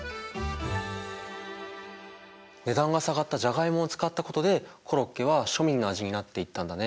値段が下がったじゃがいもを使ったことでコロッケは庶民の味になっていったんだね。